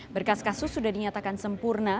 berkas kasus sudah dinyatakan sempurna